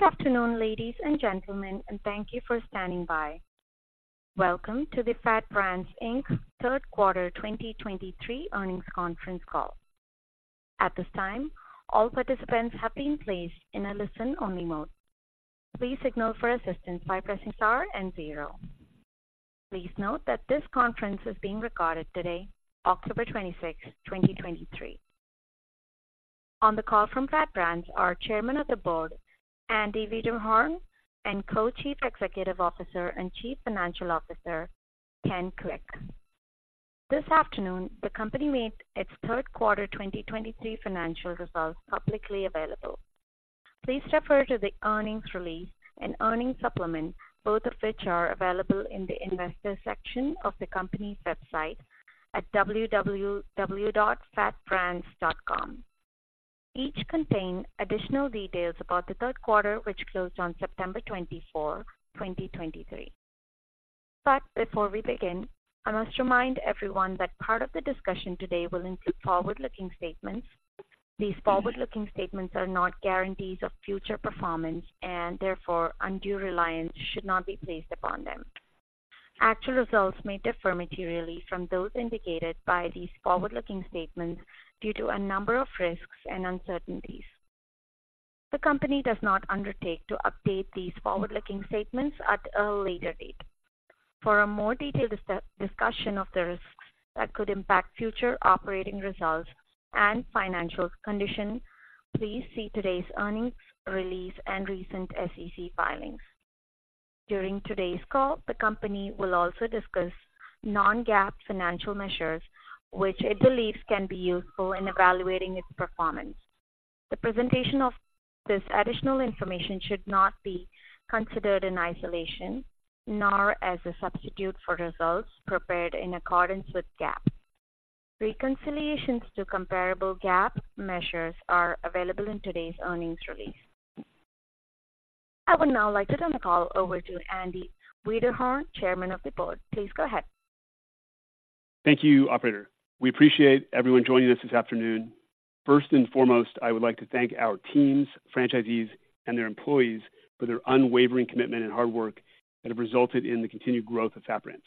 Good afternoon, ladies and gentlemen, and thank you for standing by. Welcome to the FAT Brands Inc. Third Quarter 2023 Earnings Conference Call. At this time, all participants have been placed in a listen-only mode. Please signal for assistance by pressing star and zero. Please note that this conference is being recorded today, October 26th, 2023. On the call from FAT Brands, our Chairman of the Board, Andy Wiederhorn, and Co-Chief Executive Officer and Chief Financial Officer, Ken Kuick. This afternoon, the company made its third quarter 2023 financial results publicly available. Please refer to the earnings release and earnings supplement, both of which are available in the investors section of the company's website at www.fatbrands.com. Each contain additional details about the third quarter, which closed on September 24, 2023. Before we begin, I must remind everyone that part of the discussion today will include forward-looking statements. These forward-looking statements are not guarantees of future performance and therefore undue reliance should not be placed upon them. Actual results may differ materially from those indicated by these forward-looking statements due to a number of risks and uncertainties. The company does not undertake to update these forward-looking statements at a later date. For a more detailed discussion of the risks that could impact future operating results and financial condition, please see today's earnings release and recent SEC filings. During today's call, the company will also discuss non-GAAP financial measures, which it believes can be useful in evaluating its performance. The presentation of this additional information should not be considered in isolation, nor as a substitute for results prepared in accordance with GAAP. Reconciliations to comparable GAAP measures are available in today's earnings release. I would now like to turn the call over to Andy Wiederhorn, Chairman of the Board. Please go ahead. Thank you, operator. We appreciate everyone joining us this afternoon. First and foremost, I would like to thank our teams, franchisees, and their employees for their unwavering commitment and hard work that have resulted in the continued growth of FAT Brands.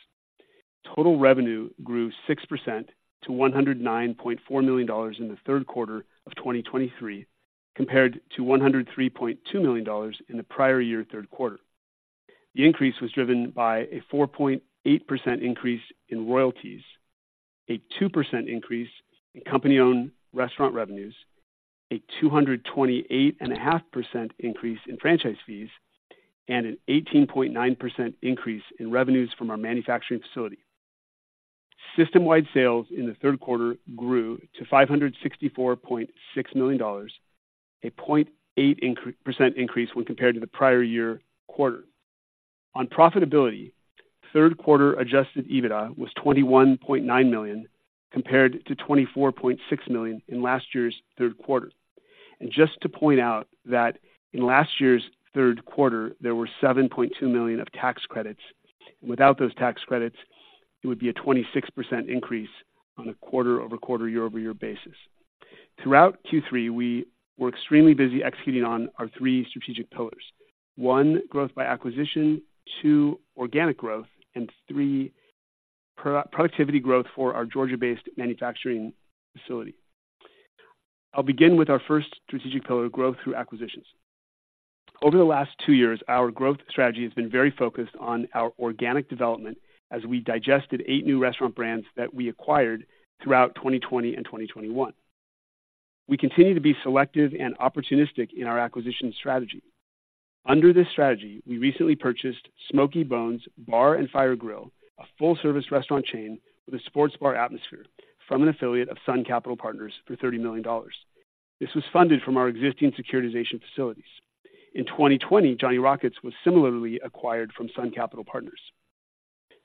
Total revenue grew 6% to $109.4 million in the third quarter of 2023, compared to $103.2 million in the prior year third quarter. The increase was driven by a 4.8% increase in royalties, a 2% increase in company-owned restaurant revenues, a 228.5% increase in franchise fees, and an 18.9% increase in revenues from our manufacturing facility. System-wide sales in the third quarter grew to $564.6 million, a 0.8% increase when compared to the prior year quarter. On profitability, third quarter Adjusted EBITDA was $21.9 million, compared to $24.6 million in last year's third quarter. Just to point out that in last year's third quarter, there were $7.2 million of tax credits. Without those tax credits, it would be a 26% increase on a quarter-over-quarter, year-over-year basis. Throughout Q3, we were extremely busy executing on our three strategic pillars. One, growth by acquisition, two, organic growth, and three, pro-productivity growth for our Georgia-based manufacturing facility. I'll begin with our first strategic pillar, growth through acquisitions. Over the last two years, our growth strategy has been very focused on our organic development as we digested 8 new restaurant brands that we acquired throughout 2020 and 2021. We continue to be selective and opportunistic in our acquisition strategy. Under this strategy, we recently purchased Smokey Bones Bar & Fire Grill, a full-service restaurant chain with a sports bar atmosphere, from an affiliate of Sun Capital Partners for $30 million. This was funded from our existing securitization facilities. In 2020, Johnny Rockets was similarly acquired from Sun Capital Partners.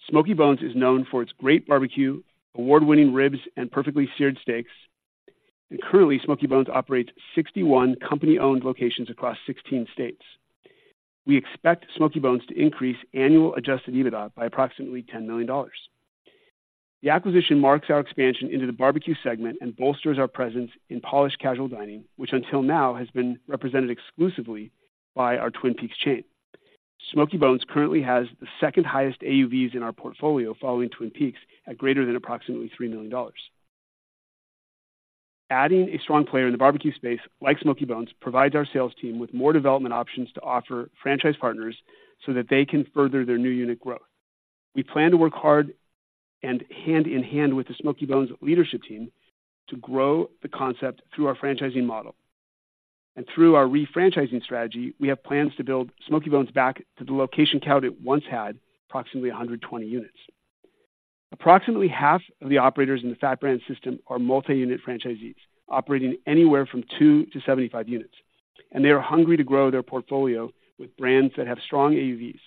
Smokey Bones is known for its great barbecue, award-winning ribs and perfectly seared steaks, and currently, Smokey Bones operates 61 company-owned locations across 16 states. We expect Smokey Bones to increase annual adjusted EBITDA by approximately $10 million. The acquisition marks our expansion into the barbecue segment and bolsters our presence in polished casual dining, which until now has been represented exclusively by our Twin Peaks chain. Smokey Bones currently has the second highest AUVs in our portfolio, following Twin Peaks at greater than approximately $3 million. Adding a strong player in the barbecue space, like Smokey Bones, provides our sales team with more development options to offer franchise partners so that they can further their new unit growth. We plan to work hard and hand in hand with the Smokey Bones leadership team to grow the concept through our franchising model. Through our re-franchising strategy, we have plans to build Smokey Bones back to the location count it once had, approximately 120 units. Approximately half of the operators in the FAT Brands system are multi-unit franchisees, operating anywhere from two to 75 units, and they are hungry to grow their portfolio with brands that have strong AUVs.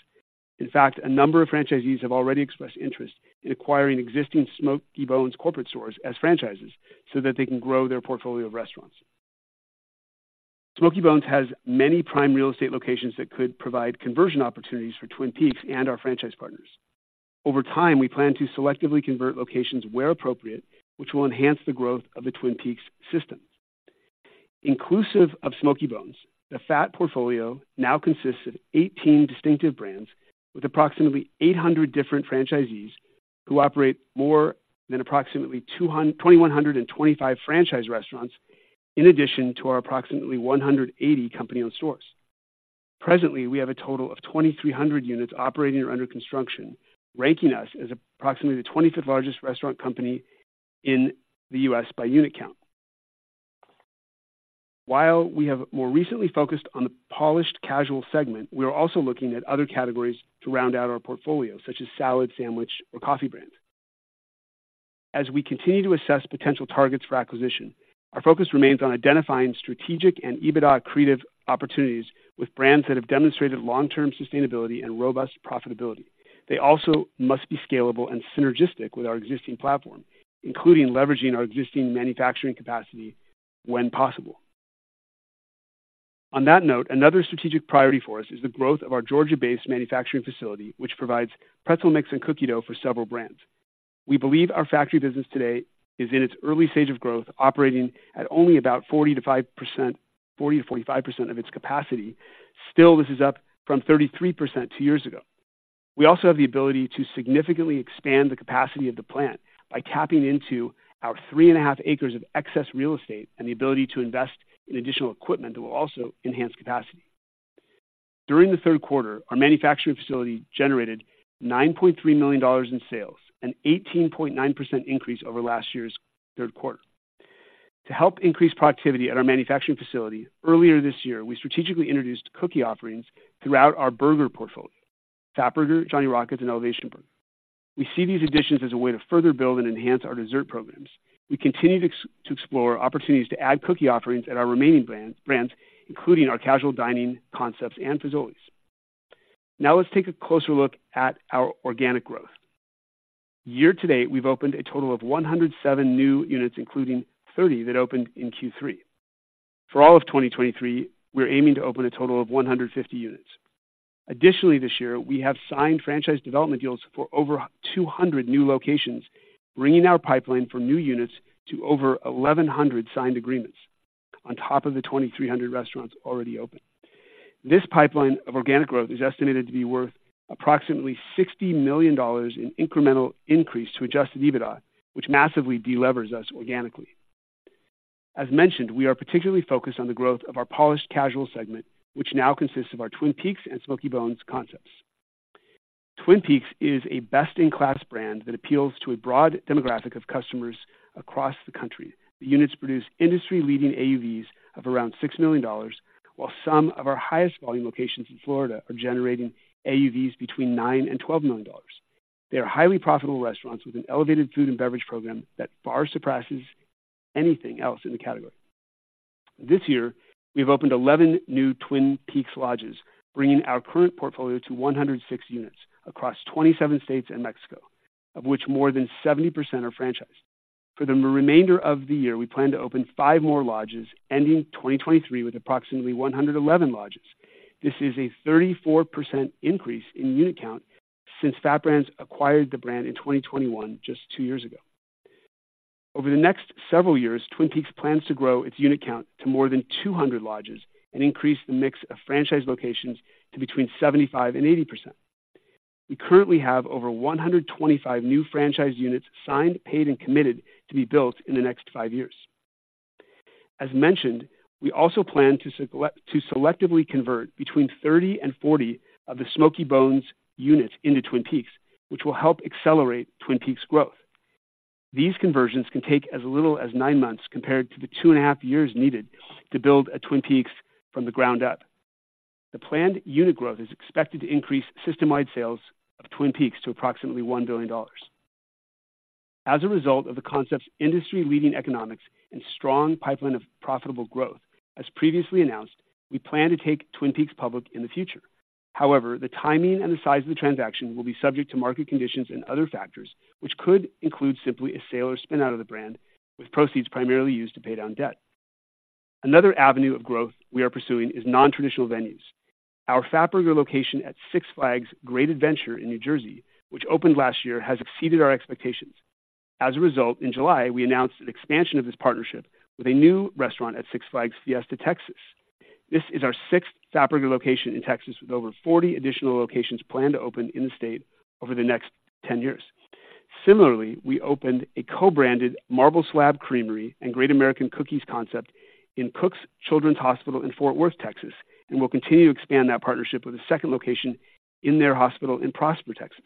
In fact, a number of franchisees have already expressed interest in acquiring existing Smokey Bones corporate stores as franchises so that they can grow their portfolio of restaurants. Smokey Bones has many prime real estate locations that could provide conversion opportunities for Twin Peaks and our franchise partners. Over time, we plan to selectively convert locations where appropriate, which will enhance the growth of the Twin Peaks systems. Inclusive of Smokey Bones, the FAT portfolio now consists of 18 distinctive brands with approximately 800 different franchisees who operate more than approximately 2,125 franchise restaurants, in addition to our approximately 180 company-owned stores. Presently, we have a total of 2,300 units operating or under construction, ranking us as approximately the 25th largest restaurant company in the U.S. by unit count. While we have more recently focused on the polished casual segment, we are also looking at other categories to round out our portfolio, such as salad, sandwich, or coffee brands. As we continue to assess potential targets for acquisition, our focus remains on identifying strategic and EBITDA accretive opportunities with brands that have demonstrated long-term sustainability and robust profitability. They also must be scalable and synergistic with our existing platform, including leveraging our existing manufacturing capacity when possible. On that note, another strategic priority for us is the growth of our Georgia-based manufacturing facility, which provides pretzel mix and cookie dough for several brands. We believe our factory business today is in its early stage of growth, operating at only about 40%-45% of its capacity. Still, this is up from 33% two years ago. We also have the ability to significantly expand the capacity of the plant by tapping into our 3.5 acres of excess real estate and the ability to invest in additional equipment that will also enhance capacity. During the third quarter, our manufacturing facility generated $9.3 million in sales, an 18.9% increase over last year's third quarter. To help increase productivity at our manufacturing facility, earlier this year, we strategically introduced cookie offerings throughout our burger portfolio, Fatburger, Johnny Rockets, and Elevation Burger. We see these additions as a way to further build and enhance our dessert programs. We continue to explore opportunities to add cookie offerings at our remaining brands, including our casual dining concepts and Fazoli's. Now, let's take a closer look at our organic growth. Year to date, we've opened a total of 107 new units, including 30 that opened in Q3. For all of 2023, we're aiming to open a total of 150 units. Additionally, this year, we have signed franchise development deals for over 200 new locations, bringing our pipeline for new units to over 1,100 signed agreements on top of the 2,300 restaurants already open. This pipeline of organic growth is estimated to be worth approximately $60 million in incremental increase to Adjusted EBITDA, which massively delevers us organically. As mentioned, we are particularly focused on the growth of our polished casual segment, which now consists of our Twin Peaks and Smokey Bones concepts. Twin Peaks is a best-in-class brand that appeals to a broad demographic of customers across the country. The units produce industry-leading AUVs of around $6 million, while some of our highest volume locations in Florida are generating AUVs between $9 million and $12 million. They are highly profitable restaurants with an elevated food and beverage program that far surpasses anything else in the category. This year, we've opened 11 new Twin Peaks lodges, bringing our current portfolio to 106 units across 27 states and Mexico, of which more than 70% are franchised. For the remainder of the year, we plan to open five more lodges, ending 2023 with approximately 111 lodges. This is a 34% increase in unit count since FAT Brands acquired the brand in 2021, just two years ago. Over the next several years, Twin Peaks plans to grow its unit count to more than 200 lodges and increase the mix of franchise locations to between 75% and 80%. We currently have over 125 new franchise units signed, paid, and committed to be built in the next five years. As mentioned, we also plan to selectively convert between 30 and 40 of the Smokey Bones units into Twin Peaks, which will help accelerate Twin Peaks growth. These conversions can take as little as nine months, compared to the two and a half years needed to build a Twin Peaks from the ground up. The planned unit growth is expected to increase system-wide sales of Twin Peaks to approximately $1 billion. As a result of the concept's industry-leading economics and strong pipeline of profitable growth, as previously announced, we plan to take Twin Peaks public in the future. However, the timing and the size of the transaction will be subject to market conditions and other factors, which could include simply a sale or spin out of the brand, with proceeds primarily used to pay down debt. Another avenue of growth we are pursuing is non-traditional venues. Our Fatburger location at Six Flags Great Adventure in New Jersey, which opened last year, has exceeded our expectations. As a result, in July, we announced an expansion of this partnership with a new restaurant at Six Flags Fiesta Texas. This is our sixth Fatburger location in Texas, with over 40 additional locations planned to open in the state over the next 10 years. Similarly, we opened a co-branded Marble Slab Creamery and Great American Cookies concept in Cook Children's Hospital in Fort Worth, Texas, and we'll continue to expand that partnership with a second location in their hospital in Prosper, Texas.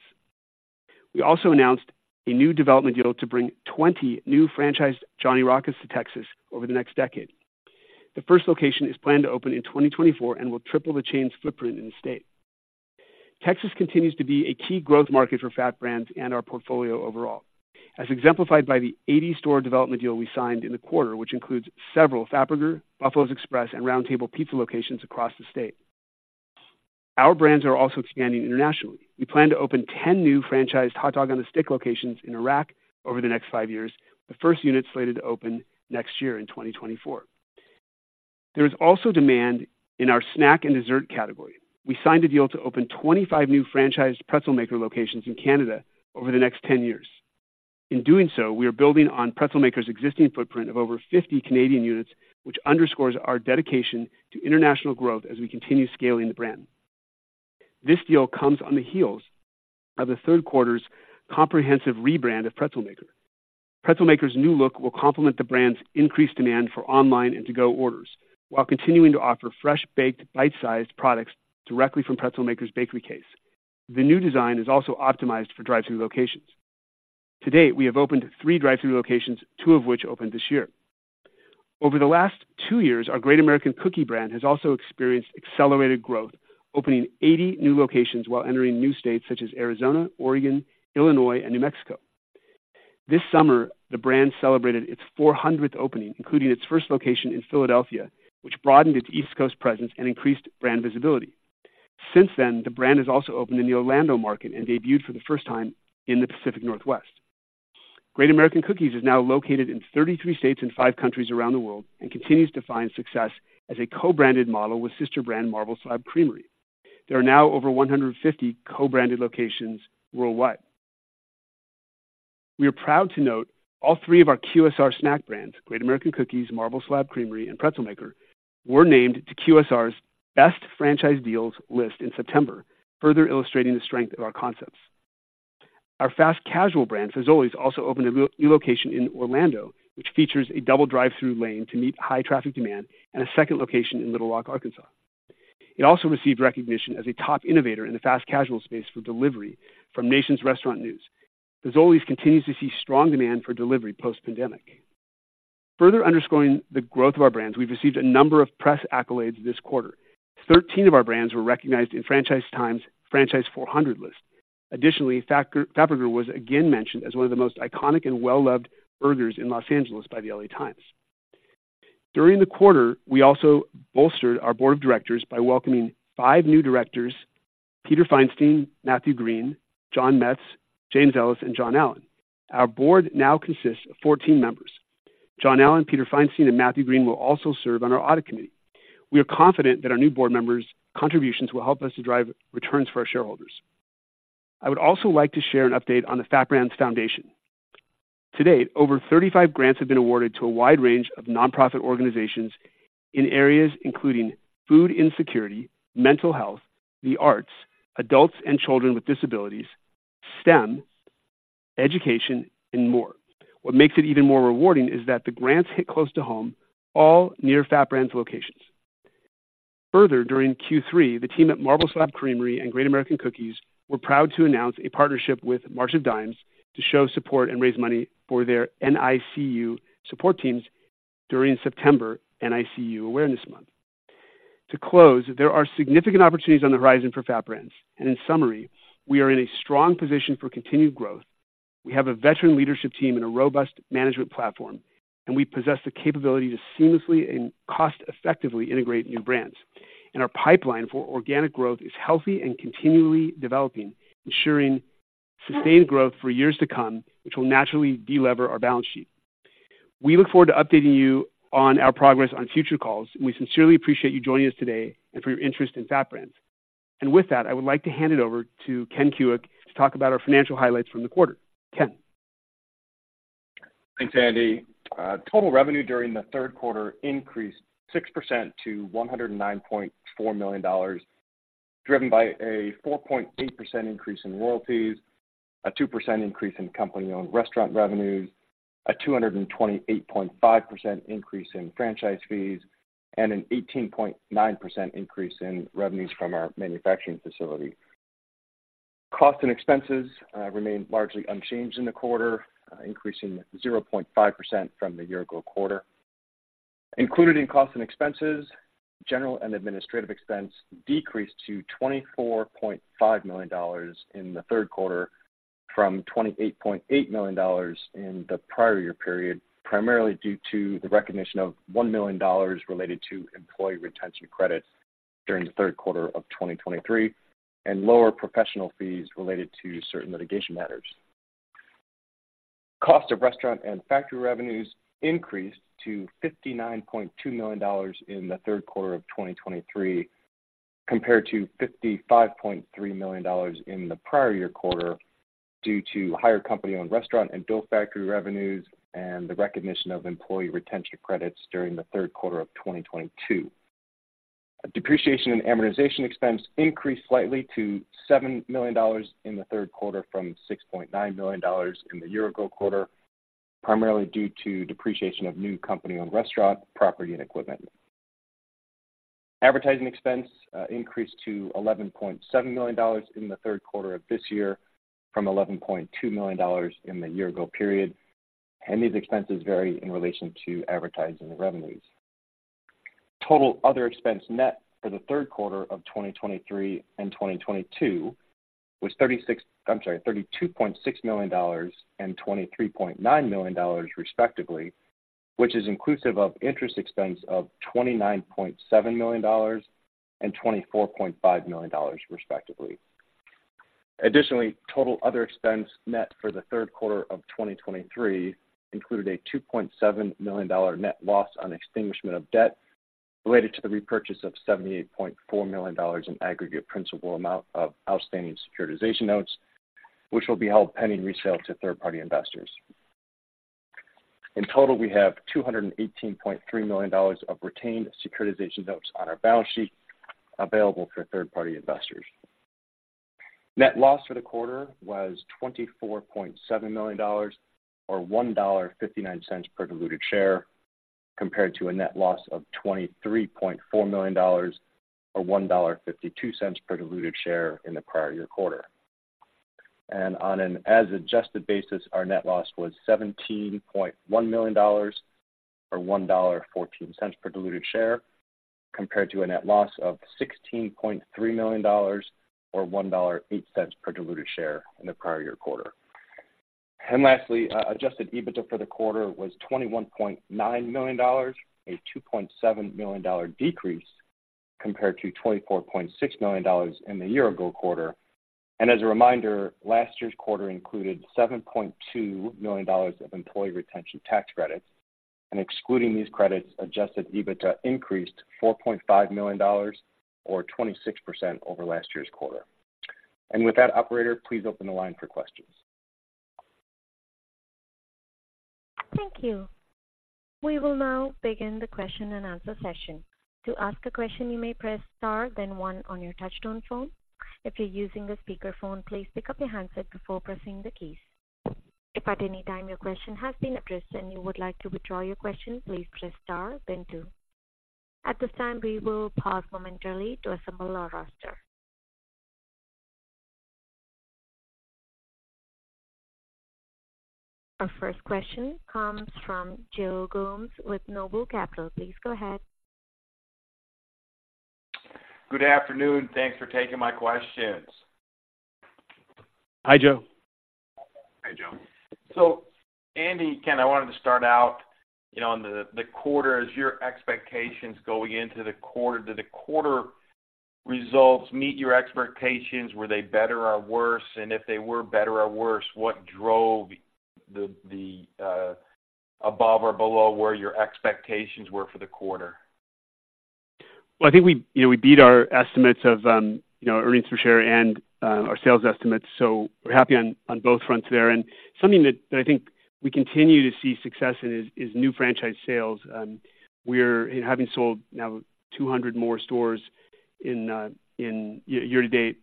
We also announced a new development deal to bring 20 new franchised Johnny Rockets to Texas over the next decade. The first location is planned to open in 2024 and will triple the chain's footprint in the state. Texas continues to be a key growth market for FAT Brands and our portfolio overall, as exemplified by the 80-store development deal we signed in the quarter, which includes several Fatburger, Buffalo's Express, and Round Table Pizza locations across the state. Our brands are also expanding internationally. We plan to open 10 new franchised Hot Dog on a Stick locations in Iraq over the next five years, the first unit slated to open next year in 2024. There is also demand in our snack and dessert category. We signed a deal to open 25 new franchised Pretzelmaker locations in Canada over the next 10 years. In doing so, we are building on Pretzelmaker's existing footprint of over 50 Canadian units, which underscores our dedication to international growth as we continue scaling the brand. This deal comes on the heels of the third quarter's comprehensive rebrand of Pretzelmaker. Pretzelmaker's new look will complement the brand's increased demand for online and to-go orders, while continuing to offer fresh-baked, bite-sized products directly from Pretzelmaker's bakery case. The new design is also optimized for drive-thru locations. To date, we have opened three drive-thru locations, two of which opened this year. Over the last two years, our Great American Cookies brand has also experienced accelerated growth, opening 80 new locations while entering new states such as Arizona, Oregon, Illinois, and New Mexico. This summer, the brand celebrated its 400th opening, including its first location in Philadelphia, which broadened its East Coast presence and increased brand visibility. Since then, the brand has also opened in the Orlando market and debuted for the first time in the Pacific Northwest. Great American Cookies is now located in 33 states and five countries around the world and continues to find success as a co-branded model with sister brand Marble Slab Creamery. There are now over 150 co-branded locations worldwide. We are proud to note all three of our QSR snack brands, Great American Cookies, Marble Slab Creamery, and PretzelmMaker, were named to QSR's Best Franchise Deals list in September, further illustrating the strength of our concepts. Our fast-casual brand, Fazoli's, also opened a new location in Orlando, which features a double drive-thru lane to meet high traffic demand and a second location in Little Rock, Arkansas. It also received recognition as a top innovator in the fast-casual space for delivery from Nation's Restaurant News. Fazoli's continues to see strong demand for delivery post-pandemic. Further underscoring the growth of our brands, we've received a number of press accolades this quarter. 13 of our brands were recognized in Franchise Times' Franchise Four Hundred list. Additionally, Fatburger was again mentioned as one of the most iconic and well-loved burgers in Los Angeles by the LA Times. During the quarter, we also bolstered our board of directors by welcoming five new directors, Peter Feinstein, Matthew Green, John Metz, James Ellis, and John Allen. Our board now consists of 14 members. John Allen, Peter Feinstein, and Matthew Green will also serve on our audit committee. We are confident that our new board members' contributions will help us to drive returns for our shareholders. I would also like to share an update on the FAT Brands Foundation. To date, over 35 grants have been awarded to a wide range of nonprofit organizations in areas including food insecurity, mental health, the arts, adults and children with disabilities, STEM, education, and more. What makes it even more rewarding is that the grants hit close to home, all near FAT Brands locations. Further, during Q3, the team at Marble Slab Creamery and Great American Cookies were proud to announce a partnership with March of Dimes to show support and raise money for their NICU support teams during September, NICU Awareness Month. To close, there are significant opportunities on the horizon for FAT Brands, and in summary, we are in a strong position for continued growth. We have a veteran leadership team and a robust management platform, and we possess the capability to seamlessly and cost-effectively integrate new brands. Our pipeline for organic growth is healthy and continually developing, ensuring sustained growth for years to come, which will naturally delever our balance sheet. We look forward to updating you on our progress on future calls, and we sincerely appreciate you joining us today and for your interest in FAT Brands. With that, I would like to hand it over to Ken Kuick to talk about our financial highlights from the quarter. Ken? Thanks, Andy. Total revenue during the third quarter increased 6% to $109.4 million, driven by a 4.8 increase in royalties, a 2% increase in company-owned restaurant revenues, a 228.5% increase in franchise fees, and an 18.9% increase in revenues from our manufacturing facility. Costs and expenses remained largely unchanged in the quarter, increasing 0.5% from the year-ago quarter. Included in costs and expenses, general and administrative expense decreased to $24.5 million in the third quarter from $28.8 million in the prior year period, primarily due to the recognition of $1 million related to employee retention credits during the third quarter of 2023 and lower professional fees related to certain litigation matters. Cost of restaurant and factory revenues increased to $59.2 million in the third quarter of 2023, compared to $55.3 million in the prior year quarter, due to higher company-owned restaurant and built factory revenues and the recognition of employee retention credits during the third quarter of 2022. Depreciation and amortization expense increased slightly to $7 million in the third quarter from $6.9 million in the year-ago quarter, primarily due to depreciation of new company-owned restaurant, property, and equipment. Advertising expense increased to $11.7 million in the third quarter of this year from $11.2 million in the year-ago period, and these expenses vary in relation to advertising revenues. Total other expense net for the third quarter of 2023 and 2022 was $32.6 million and $23.9 million, respectively, which is inclusive of interest expense of $29.7 million and $24.5 million, respectively.... Additionally, total other expense net for the third quarter of 2023 included a $2.7 million net loss on extinguishment of debt related to the repurchase of $78.4 million in aggregate principal amount of outstanding securitization notes, which will be held pending resale to third-party investors. In total, we have $218.3 million of retained securitization notes on our balance sheet available for third-party investors. Net loss for the quarter was $24.7 million, or $1.59 per diluted share, compared to a net loss of $23.4 million, or $1.52 per diluted share in the prior year quarter. On an as adjusted basis, our net loss was $17.1 million, or $1.14 per diluted share, compared to a net loss of $16.3 million, or $1.08 per diluted share in the prior year quarter. And lastly, Adjusted EBITDA for the quarter was $21.9 million, a $2.7 million decrease compared to $24.6 million in the year ago quarter. And as a reminder, last year's quarter included $7.2 million of employee retention tax credits, and excluding these credits, Adjusted EBITDA increased $4.5 million or 26% over last year's quarter. And with that, operator, please open the line for questions. Thank you. We will now begin the question-and-answer session. To ask a question, you may press Star, then one on your touchtone phone. If you're using a speakerphone, please pick up your handset before pressing the keys. If at any time your question has been addressed and you would like to withdraw your question, please press Star then two. At this time, we will pause momentarily to assemble our roster. Our first question comes from Joe Gomes with Noble Capital. Please go ahead. Good afternoon. Thanks for taking my questions. Hi, Joe. Hi, Joe. So Andy, kind of, I wanted to start out, you know, on the quarter as your expectations going into the quarter. Did the quarter results meet your expectations? Were they better or worse? And if they were better or worse, what drove the above or below where your expectations were for the quarter? Well, I think we, you know, we beat our estimates of, you know, earnings per share and, our sales estimates, so we're happy on both fronts there. And something that I think we continue to see success in is new franchise sales. We're having sold now 200 more stores in year-to-date,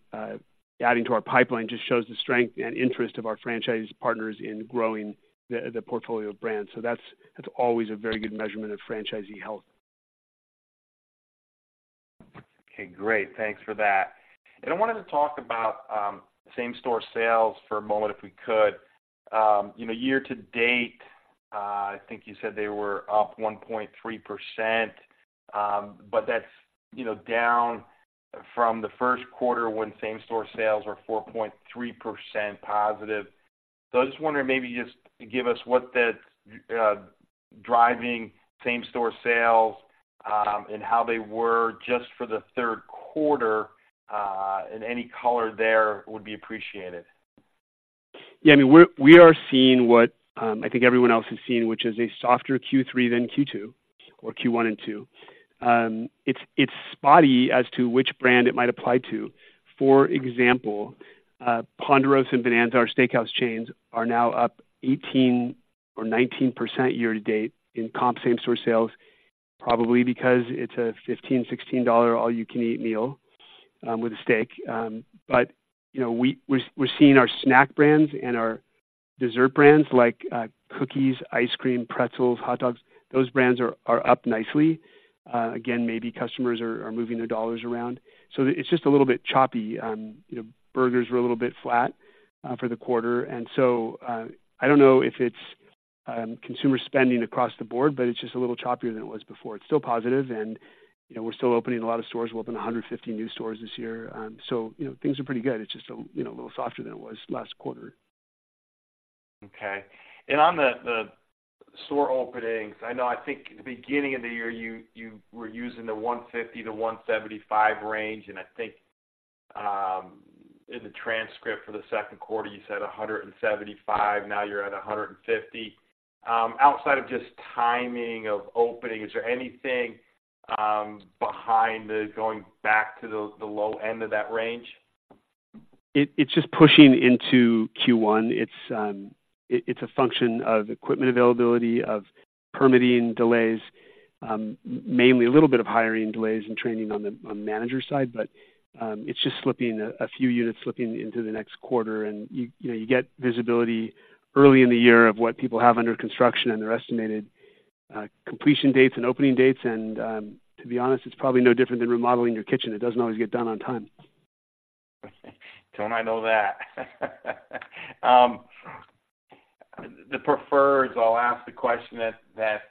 adding to our pipeline just shows the strength and interest of our franchise partners in growing the portfolio of brands. So that's always a very good measurement of franchisee health. Okay, great. Thanks for that. And I wanted to talk about same-store sales for a moment, if we could. You know, year to date, I think you said they were up 1.3%. But that's, you know, down from the first quarter, when same-store sales were 4.3% positive. So I just wonder, maybe just give us what that driving same store sales, and how they were just for the third quarter, and any color there would be appreciated. Yeah, I mean, we're seeing what I think everyone else is seeing, which is a softer Q3 than Q2 or Q1 and Q2. It's spotty as to which brand it might apply to. For example, Ponderosa & Bonanza, our steakhouse chains, are now up 18% or 19% year to date in comp same-store sales, probably because it's a $15-$16 all-you-can-eat meal with a steak. You know, we're seeing our snack brands and our dessert brands like cookies, ice cream, pretzels, hot dogs. Those brands are up nicely. Again, maybe customers are moving their dollars around, so it's just a little bit choppy. You know, burgers were a little bit flat for the quarter, and so, I don't know if it's consumer spending across the board, but it's just a little choppier than it was before. It's still positive and, you know, we're still opening a lot of stores. We'll open 150 new stores this year. So, you know, things are pretty good. It's just a, you know, a little softer than it was last quarter. Okay. And on the store openings, I know, I think at the beginning of the year, you were using the 150-175 range, and I think in the transcript for the second quarter, you said 175. Now you're at 150. Outside of just timing of openings, is there anything behind the going back to the low end of that range? It's just pushing into Q1. It's a function of equipment availability, of permitting delays, mainly a little bit of hiring delays and training on the manager side, but it's just slipping a few units, slipping into the next quarter and, you know, you get visibility early in the year of what people have under construction and their estimated completion dates and opening dates. To be honest, it's probably no different than remodeling your kitchen. It doesn't always get done on time. Don't I know that? The preferred, I'll ask the question that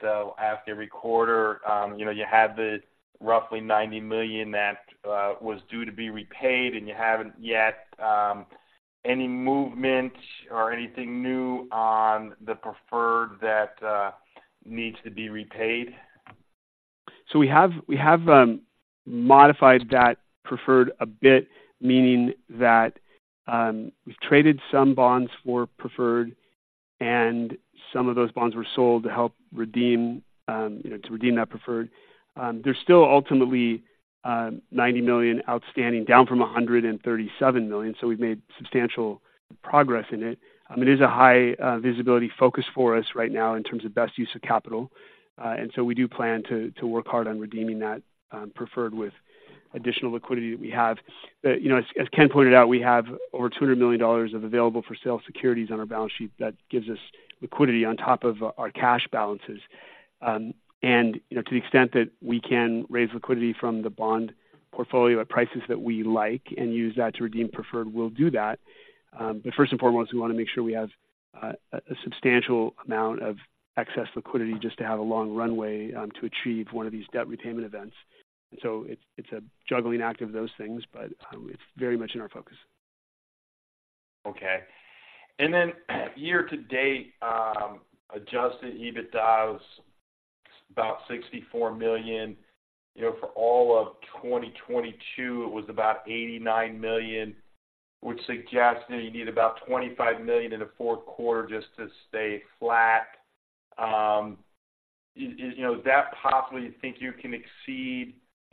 I ask every quarter. You know, you had the roughly $90 million that was due to be repaid and you haven't yet. Any movement or anything new on the preferred that needs to be repaid?... So we have modified that preferred a bit, meaning that, we've traded some bonds for preferred, and some of those bonds were sold to help redeem, you know, to redeem that preferred. There's still ultimately $90 million outstanding, down from $137 million, so we've made substantial progress in it. It is a high visibility focus for us right now in terms of best use of capital, and so we do plan to work hard on redeeming that preferred with additional liquidity that we have. But, you know, as Ken pointed out, we have over $200 million of available-for-sale securities on our balance sheet. That gives us liquidity on top of our cash balances. And, you know, to the extent that we can raise liquidity from the bond portfolio at prices that we like and use that to redeem preferred, we'll do that. First and foremost, we want to make sure we have a substantial amount of excess liquidity just to have a long runway to achieve one of these debt repayment events. It's a juggling act of those things, but it's very much in our focus. Okay. Then year to date, adjusted EBITDA, about $64 million. You know, for all of 2022, it was about $89 million, which suggests that you need about $25 million in the fourth quarter just to stay flat.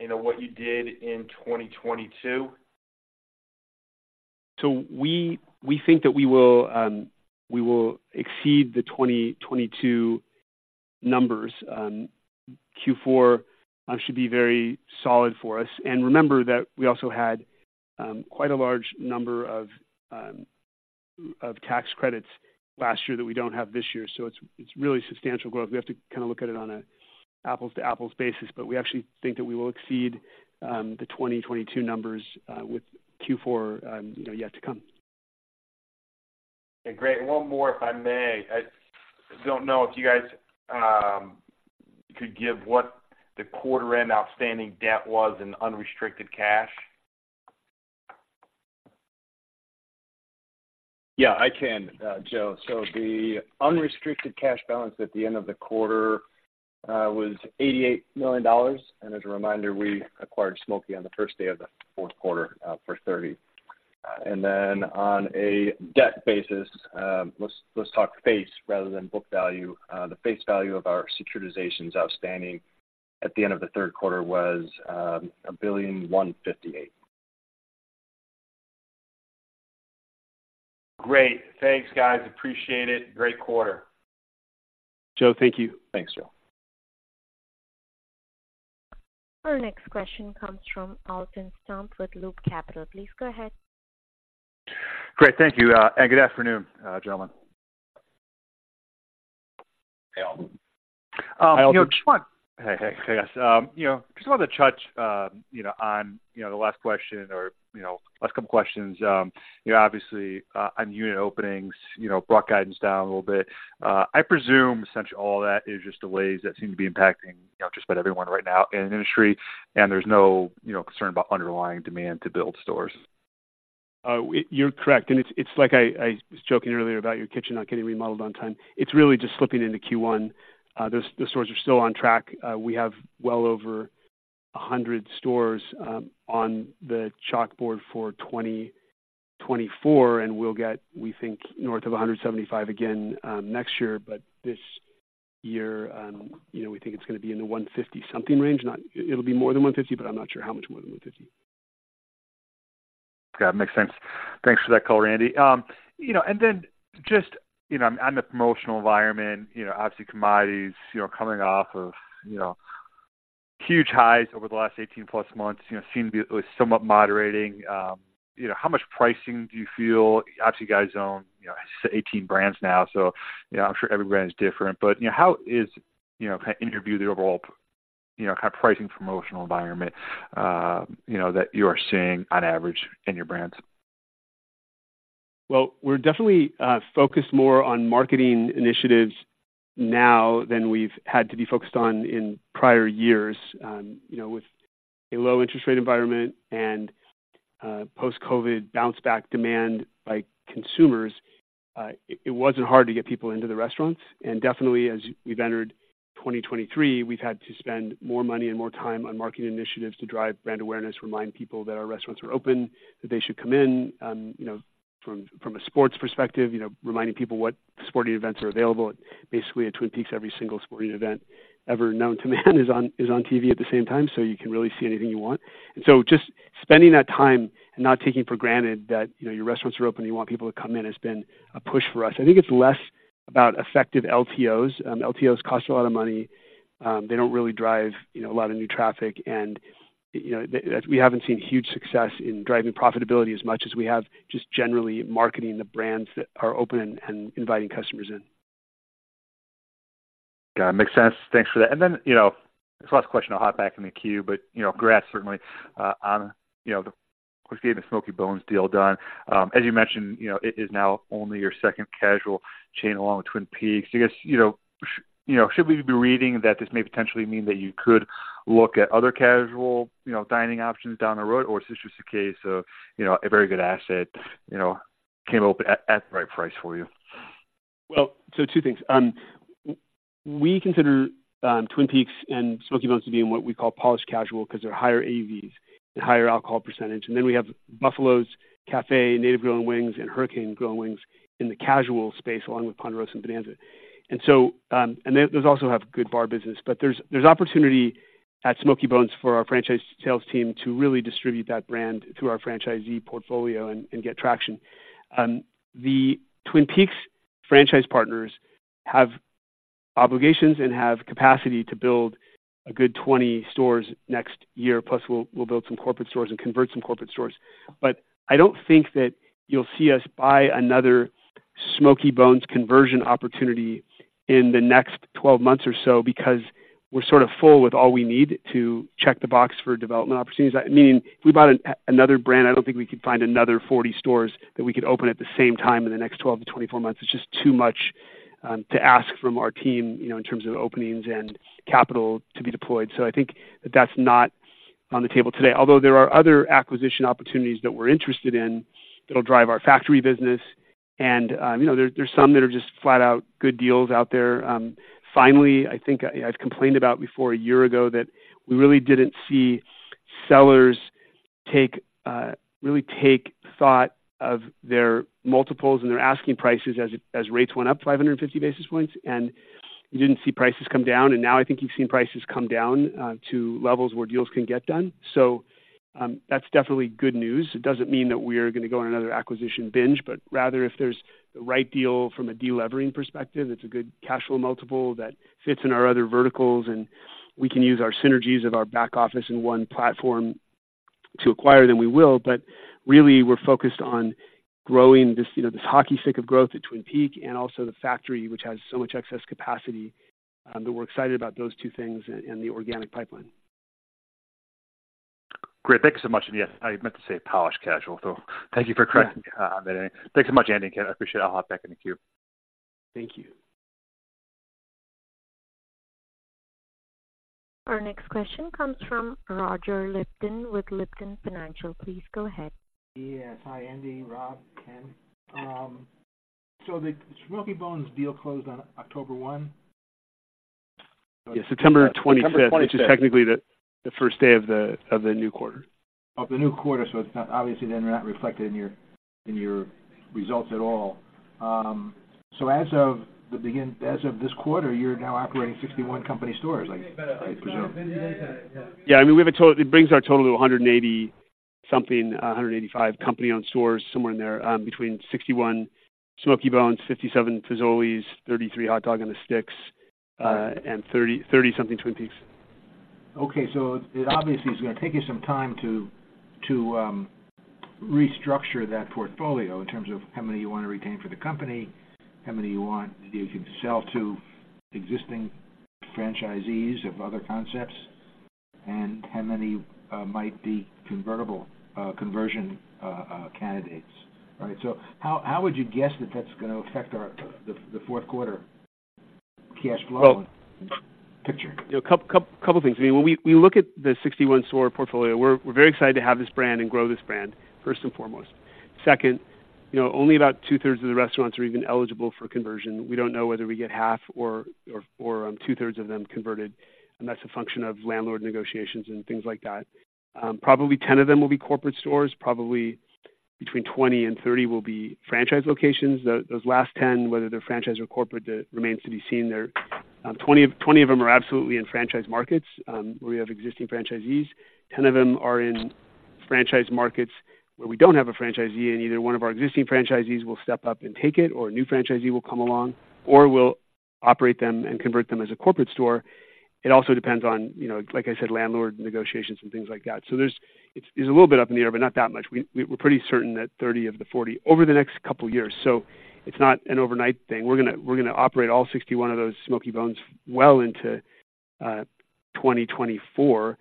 You know, is that possibly you think you can exceed, you know, what you did in 2022? So we think that we will exceed the 2022 numbers. Q4 should be very solid for us. And remember that we also had quite a large number of tax credits last year that we don't have this year, so it's really substantial growth. We have to kinda look at it on an apples-to-apples basis, but we actually think that we will exceed the 2022 numbers with Q4 you know yet to come. Okay, great. One more, if I may. I don't know if you guys could give what the quarter end outstanding debt was in unrestricted cash? Yeah, I can, Joe. So the unrestricted cash balance at the end of the quarter was $88 million, and as a reminder, we acquired Smokey on the first day of the fourth quarter for $30 million. And then on a debt basis, let's, let's talk face rather than book value. The face value of our securitizations outstanding at the end of the third quarter was $1.158 billion. Great. Thanks, guys, appreciate it. Great quarter. Joe, thank you. Thanks, Joe. Our next question comes from Alton Stump with Loop Capital. Please go ahead. Great, thank you, and good afternoon, gentlemen. Hey, Alton. You know, Hey, hey, hey, guys. You know, just wanted to touch, you know, on, you know, the last question or, you know, last couple questions. You know, obviously, on unit openings, you know, brought guidance down a little bit. I presume essentially all that is just delays that seem to be impacting, you know, just about everyone right now in the industry, and there's no, you know, concern about underlying demand to build stores. You're correct, and it's like I was joking earlier about your kitchen not getting remodeled on time. It's really just slipping into Q1. Those stores are still on track. We have well over 100 stores on the chalkboard for 2024, and we'll get, we think, north of 175 again next year. But this year, you know, we think it's gonna be in the 150-something range, not... It'll be more than 150, but I'm not sure how much more than 150. Yeah, makes sense. Thanks for that color, Andy. You know, and then just, you know, on the promotional environment, you know, obviously commodities, you know, coming off of, you know, huge highs over the last 18+ months, you know, seem to be at least somewhat moderating. You know, how much pricing do you feel? Obviously, you guys own, you know, 18 brands now, so, you know, I'm sure every brand is different. But, you know, how is... You know, kind of in your view, the overall, you know, kind of pricing promotional environment, you know, that you are seeing on average in your brands? Well, we're definitely focused more on marketing initiatives now than we've had to be focused on in prior years. You know, with a low interest rate environment and post-COVID bounce back demand by consumers, it wasn't hard to get people into the restaurants. And definitely, as we've entered 2023, we've had to spend more money and more time on marketing initiatives to drive brand awareness, remind people that our restaurants are open, that they should come in. You know, from a sports perspective, you know, reminding people what sporting events are available. Basically, at Twin Peaks, every single sporting event ever known to man is on TV at the same time, so you can really see anything you want. So just spending that time and not taking for granted that, you know, your restaurants are open and you want people to come in, has been a push for us. I think it's less about effective LTOs. LTOs cost a lot of money. They don't really drive, you know, a lot of new traffic, and, you know, we haven't seen huge success in driving profitability as much as we have just generally marketing the brands that are open and inviting customers in. Got it. Makes sense. Thanks for that. You know, this last question, I'll hop back in the queue, but, you know, congrats certainly, you know, on the getting the Smokey Bones deal done. As you mentioned, you know, it is now only your second casual chain along with Twin Peaks. I guess, you know, should we be reading that this may potentially mean that you could look at other casual, you know, dining options down the road? Or is this just a case of, you know, a very good asset, you know, came open at the right price for you?... Well, so two things. We consider Twin Peaks and Smokey Bones to be in what we call polished casual, because they're higher AUVs and higher alcohol percentage. And then we have Buffalo's Cafe, Native Grill & Wings, and Hurricane Grill & Wings in the casual space, along with Ponderosa and Bonanza. And so, and those also have good bar business, but there's opportunity at Smokey Bones for our franchise sales team to really distribute that brand through our franchisee portfolio and get traction. The Twin Peaks franchise partners have obligations and have capacity to build a good 20 stores next year, plus we'll build some corporate stores and convert some corporate stores. But I don't think that you'll see us buy another Smokey Bones conversion opportunity in the next 12 months or so, because we're sort of full with all we need to check the box for development opportunities. I mean, if we bought another brand, I don't think we could find another 40 stores that we could open at the same time in the next 12-24 months. It's just too much to ask from our team, you know, in terms of openings and capital to be deployed. So I think that that's not on the table today, although there are other acquisition opportunities that we're interested in that'll drive our factory business. And, you know, there, there's some that are just flat out good deals out there. Finally, I think I, I've complained about before, a year ago, that we really didn't see sellers take, really take thought of their multiples and their asking prices as, as rates went up 550 basis points, and you didn't see prices come down. Now I think you've seen prices come down to levels where deals can get done. That's definitely good news. It doesn't mean that we are going to go on another acquisition binge, but rather, if there's the right deal from a delevering perspective, it's a good cash flow multiple that fits in our other verticals, and we can use our synergies of our back office in one platform to acquire, then we will. But really, we're focused on growing this, you know, this hockey stick of growth at Twin Peaks and also the factory, which has so much excess capacity, that we're excited about those two things and the organic pipeline. Great. Thank you so much. And yes, I meant to say polished casual, so thank you for correcting me on that. Thanks so much, Andy and Ken. I appreciate it. I'll hop back in the queue. Thank you. Our next question comes from Roger Lipton with Lipton Financial. Please go ahead. Yes. Hi, Andy, Rob, Ken. The Smokey Bones deal closed on October one? Yeah, September 25th. September 25th. Which is technically the first day of the new quarter. Of the new quarter, so it's, obviously, then not reflected in your, in your results at all. So as of this quarter, you're now operating 61 company stores, like, I presume? Yeah, I mean, we have a total... It brings our total to 180-something, 185 company-owned stores, somewhere in there. Between 61 Smokey Bones, 57 Fazoli's, 33 Hot Dog on a Stick, and 30, 30-something Twin Peaks. Okay, so it obviously is going to take you some time to restructure that portfolio in terms of how many you want to retain for the company, how many you want you can sell to existing franchisees of other concepts, and how many might be convertible conversion candidates. All right, so how would you guess that that's going to affect the fourth quarter cash flow picture? You know, a couple things. I mean, when we look at the 61-store portfolio, we're very excited to have this brand and grow this brand first and foremost. Second, you know, only about 2/3 of the restaurants are even eligible for conversion. We don't know whether we get half or 2/3 of them converted, and that's a function of landlord negotiations and things like that. Probably 10 of them will be corporate stores. Probably between 20-30 will be franchise locations. Those last 10, whether they're franchise or corporate, that remains to be seen. There, 20 of them are absolutely in franchise markets, where we have existing franchisees. 10 of them are in franchise markets where we don't have a franchisee, and either one of our existing franchisees will step up and take it, or a new franchisee will come along, or we'll operate them and convert them as a corporate store. It also depends on, you know, like I said, landlord negotiations and things like that. So there's, it's a little bit up in the air, but not that much. We're pretty certain that 30 of the 40 over the next couple years, so it's not an overnight thing. We're gonna operate all 61 of those Smokey Bones well into 2024.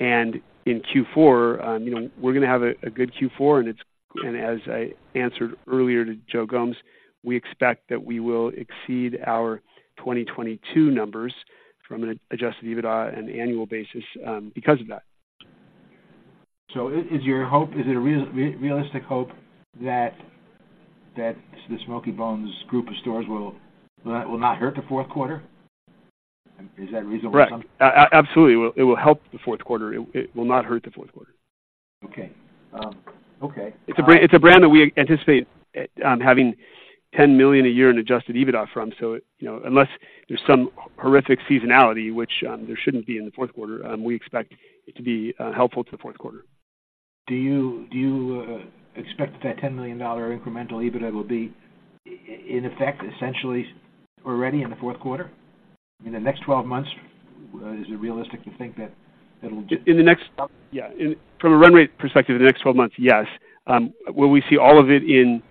In Q4, you know, we're gonna have a good Q4, and as I answered earlier to Joe Gomes, we expect that we will exceed our 2022 numbers from an Adjusted EBITDA on an annual basis, because of that. So is your hope, is it a realistic hope that the Smokey Bones group of stores will not hurt the fourth quarter? Is that reasonable assumption? Right. Absolutely, it will, it will help the fourth quarter. It, it will not hurt the fourth quarter. Okay. Okay It's a brand, it's a brand that we anticipate having $10 million a year in Adjusted EBITDA from. So, you know, unless there's some horrific seasonality, which there shouldn't be in the fourth quarter, we expect it to be helpful to the fourth quarter. Do you expect that $10 million incremental EBITDA will be in effect, essentially already in the fourth quarter, in the next 12 months? Is it realistic to think that it'll- In the next... Yeah, in from a run rate perspective, in the next 12 months, yes. Will we see all of it in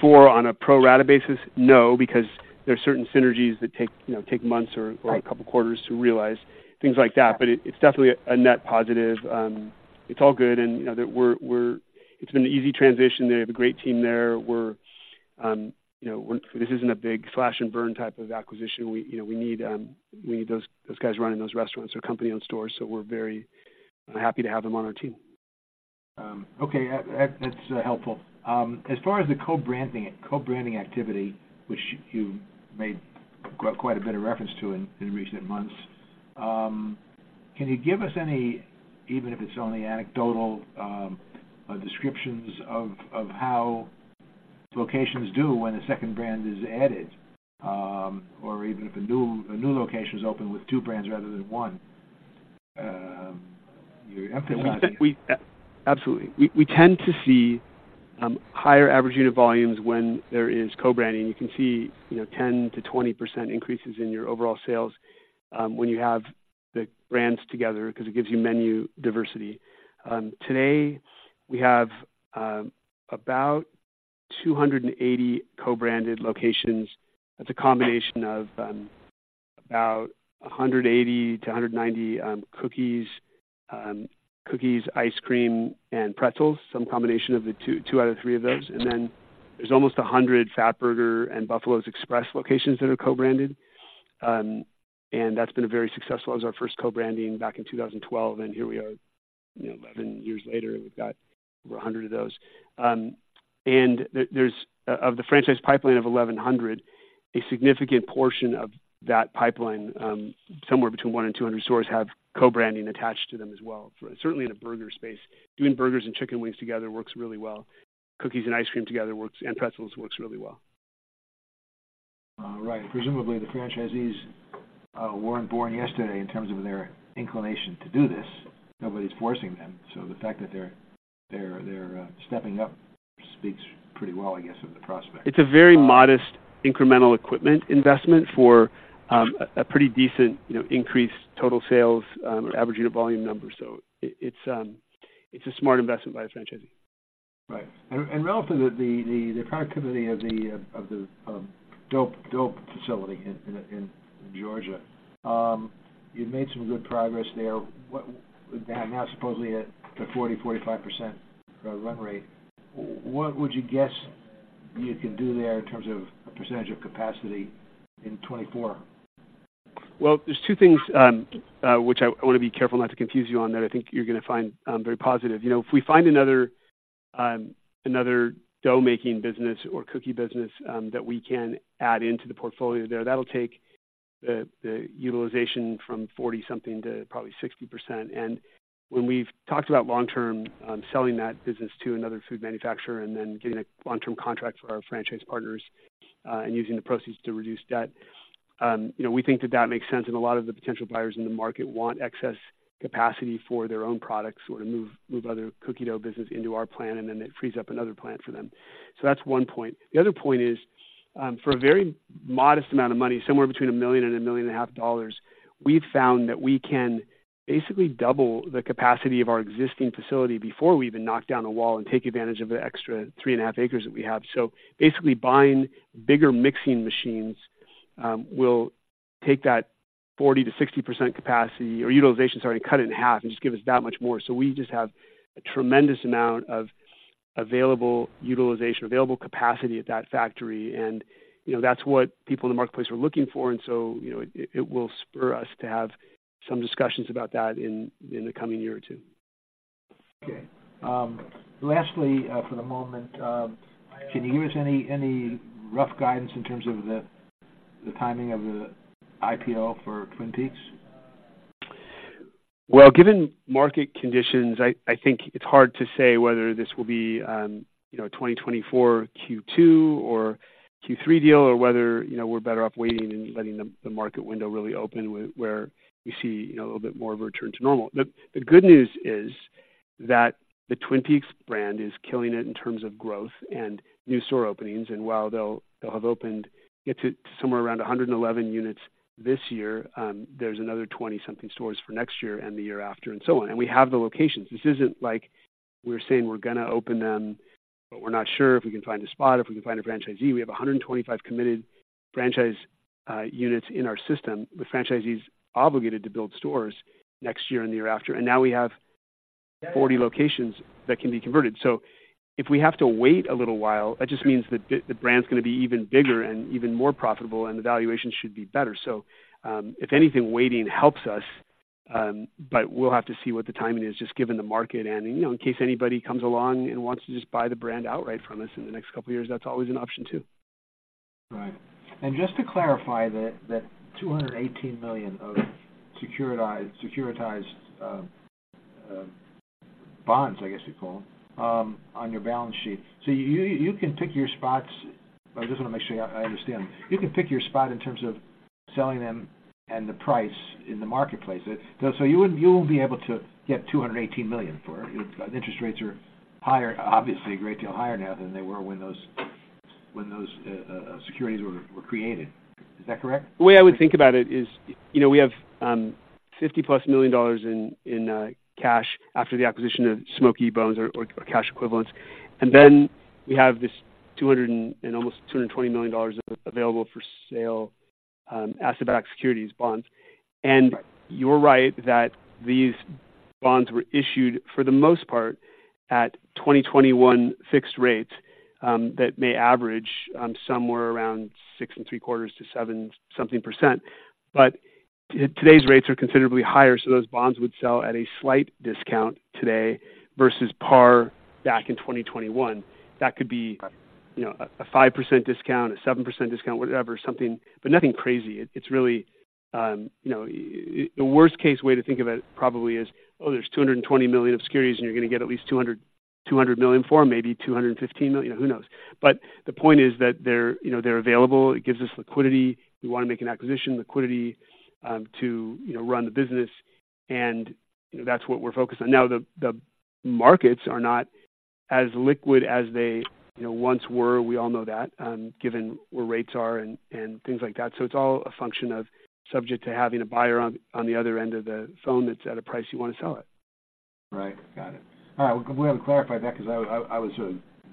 Q4 on a pro rata basis? No, because there are certain synergies that take, you know, take months or- Right... a couple quarters to realize, things like that. But it, it's definitely a net positive. It's all good, and, you know, we're. It's been an easy transition. They have a great team there where, you know, this isn't a big slash and burn type of acquisition. We, you know, we need those guys running those restaurants or company-owned stores, so we're very happy to have them on our team.... Okay, that, that's helpful. As far as the co-branding, co-branding activity, which you made quite a bit of reference to in recent months, can you give us any, even if it's only anecdotal, descriptions of how locations do when a second brand is added, or even if a new location is opened with two brands rather than one? You're emphasizing- We absolutely. We tend to see higher average unit volumes when there is co-branding. You can see, you know, 10%-20% increases in your overall sales when you have the brands together, 'cause it gives you menu diversity. Today, we have about 280 co-branded locations. That's a combination of about 180-190 cookies, ice cream, and pretzels. Some combination of the two, two out of three of those. And then there's almost 100 Fatburger and Buffalo's Express locations that are co-branded. And that's been a very successful. That was our first co-branding back in 2012, and here we are, you know, 11 years later, we've got over 100 of those. Of the franchise pipeline of 1,100, a significant portion of that pipeline, somewhere between 100 and 200 stores, have co-branding attached to them as well. Certainly, in the burger space, doing burgers and chicken wings together works really well. Cookies and ice cream together works, and pretzels works really well. Right. Presumably, the franchisees weren't born yesterday in terms of their inclination to do this. Nobody's forcing them, so the fact that they're stepping up speaks pretty well, I guess, of the prospects. It's a very modest incremental equipment investment for a pretty decent, you know, increased total sales or average unit volume number. So it's a smart investment by the franchisee. Right. And relative to the productivity of the dough facility in Georgia, you've made some good progress there. Now, supposedly at a 40%-45% run rate. What would you guess you can do there in terms of a percentage of capacity in 2024? Well, there's two things, which I wanna be careful not to confuse you on, that I think you're gonna find very positive. You know, if we find another dough-making business or cookie business that we can add into the portfolio there, that'll take the utilization from 40-something to probably 60%. And when we've talked about long-term, selling that business to another food manufacturer and then getting a long-term contract for our franchise partners, and using the proceeds to reduce debt, you know, we think that that makes sense, and a lot of the potential buyers in the market want excess capacity for their own products or to move other cookie dough business into our plant, and then it frees up another plant for them. So that's one point. The other point is, for a very modest amount of money, somewhere between $1 million and $1.5 million, we've found that we can basically double the capacity of our existing facility before we even knock down a wall and take advantage of the extra 3.5 acres that we have. So basically, buying bigger mixing machines, will take that 40%-60% capacity, or utilization, sorry, cut it in half and just give us that much more. So we just have a tremendous amount of available utilization, available capacity at that factory, and, you know, that's what people in the marketplace are looking for, and so, you know, it will spur us to have some discussions about that in the coming year or two. Okay. Lastly, for the moment, can you give us any rough guidance in terms of the timing of the IPO for Twin Peaks? Well, given market conditions, I think it's hard to say whether this will be, you know, 2024 Q2 or Q3 deal, or whether, you know, we're better off waiting and letting the market window really open, where we see, you know, a little bit more of a return to normal. The good news is that the Twin Peaks brand is killing it in terms of growth and new store openings, and while they'll have opened, get to somewhere around 111 units this year, there's another 20-something stores for next year and the year after and so on. And we have the locations. This isn't like we're saying we're gonna open them, but we're not sure if we can find a spot, or if we can find a franchisee. We have 125 committed franchise units in our system, with franchisees obligated to build stores next year and the year after, and now we have 40 locations that can be converted. So if we have to wait a little while, that just means that the brand's gonna be even bigger and even more profitable, and the valuation should be better. So, if anything, waiting helps us, but we'll have to see what the timing is, just given the market and, you know, in case anybody comes along and wants to just buy the brand outright from us in the next couple of years, that's always an option too. Right. And just to clarify that, that $218 million of securitized bonds, I guess you'd call them, on your balance sheet. So you can pick your spots. I just wanna make sure I understand. You can pick your spot in terms of selling them and the price in the marketplace. So you wouldn't, you won't be able to get $218 million for it if interest rates are higher, obviously a great deal higher now than they were when those securities were created. Is that correct? The way I would think about it is, you know, we have $50+ million in cash after the acquisition of Smokey Bones or cash equivalents, and then we have this almost $220 million available for sale asset-backed securities bonds. Right. You're right that these bonds were issued, for the most part, at 2021 fixed rates that may average somewhere around 6.75%-7% or something. Today's rates are considerably higher, so those bonds would sell at a slight discount today versus par back in 2021. That could be, you know, a 5% discount, a 7% discount, whatever, something, but nothing crazy. It's really, you know, the worst case way to think of it probably is: Oh, there's $220 million of securities, and you're going to get at least $200 million, $200 million for them, maybe $215 million. You know, who knows? But the point is that they're, you know, they're available. It gives us liquidity. We want to make an acquisition, liquidity, to, you know, run the business, and, you know, that's what we're focused on. Now, the markets are not as liquid as they, you know, once were. We all know that, given where rates are and things like that. So it's all a function of subject to having a buyer on the other end of the phone that's at a price you want to sell it. Right. Got it. All right, well, glad we clarified that because I was,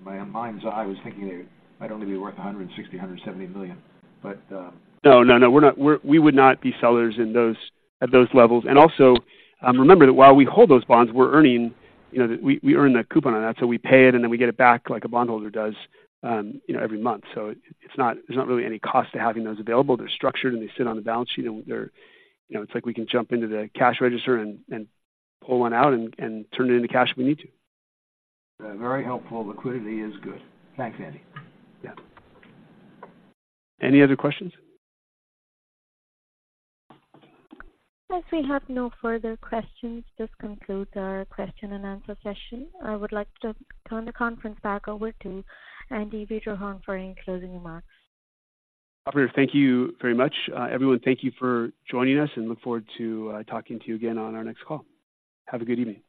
my mind's eye was thinking they might only be worth $160 million-$170 million, but- No, no, no, we're not. We're, we would not be sellers in those, at those levels. And also, remember that while we hold those bonds, we're earning, you know, we earn the coupon on that. So we pay it, and then we get it back like a bondholder does, you know, every month. So it's not, there's not really any cost to having those available. They're structured, and they sit on the balance sheet, and they're, you know, it's like we can jump into the cash register and pull one out and turn it into cash if we need to. Very helpful. Liquidity is good. Thanks, Andy. Yeah. Any other questions? As we have no further questions, this concludes our question and answer session. I would like to turn the conference back over to Andy Wiederhorn for any closing remarks. Operator, thank you very much. Everyone, thank you for joining us, and look forward to talking to you again on our next call. Have a good evening.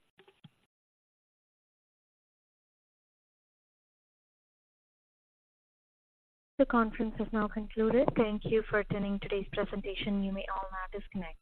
The conference has now concluded. Thank you for attending today's presentation. You may all now disconnect.